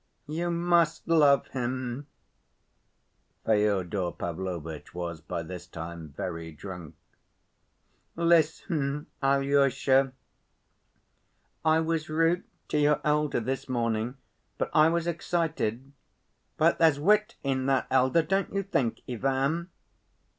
"You must love him" (Fyodor Pavlovitch was by this time very drunk). "Listen, Alyosha, I was rude to your elder this morning. But I was excited. But there's wit in that elder, don't you think, Ivan?"